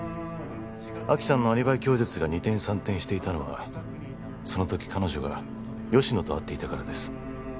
亜希さんのアリバイ供述が二転三転していたのはそのとき彼女が吉乃と会っていたからです